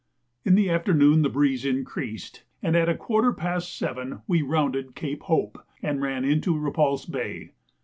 In the afternoon the breeze increased, and at a quarter past seven we rounded Cape Hope, and ran into Repulse Bay.